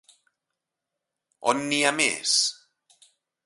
On n'hi ha més?